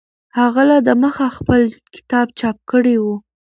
هغه لا دمخه خپل کتاب چاپ کړی و.